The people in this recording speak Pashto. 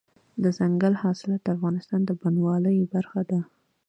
دځنګل حاصلات د افغانستان د بڼوالۍ برخه ده.